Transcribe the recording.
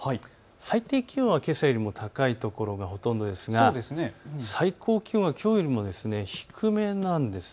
最低気温はけさより高い所がほとんどですが最高気温はきょうよりも低めなんです。